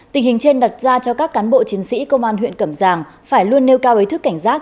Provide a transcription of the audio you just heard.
tình hình trên đặt ra cho các cán bộ chiến sĩ công an huyện cẩm giang phải luôn nêu cao ý thức cảnh giác